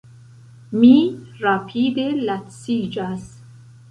Mi rapide laciĝas.